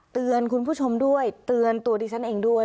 เตือนคุณผู้ชมด้วยเตือนตัวดิฉันเองด้วย